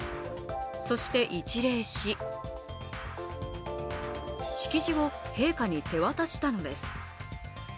そして一礼し、式辞を陛下に手渡したのです。